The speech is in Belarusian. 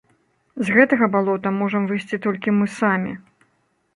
З гэтага балота можам выйсці толькі мы самі.